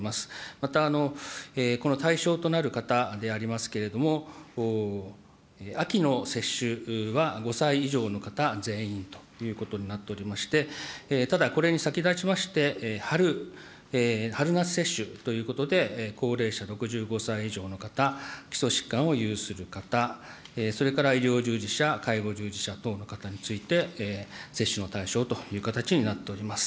また、この対象となる方でありますけれども、秋の接種は５歳以上の方全員ということになっておりまして、ただこれに先立ちまして、春夏接種ということで、高齢者６５歳以上の方、基礎疾患を有する方、それから医療従事者、介護従事者等の方について、接種の対象という形になっております。